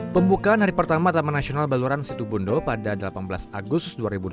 pembukaan hari pertama taman nasional baluran situbondo pada delapan belas agustus dua ribu dua puluh